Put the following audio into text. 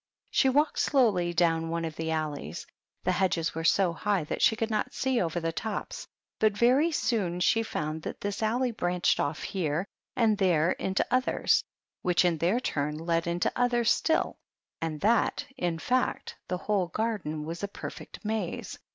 She walked slowly down one of the alleys. The hedges were so high that she could not see over the tops, but very soon she found that this alley branched off here and there into others, which in their turn led into others still, and that, in fact, the whole garden was a perfect maze, 24 PEGGY THE PIG.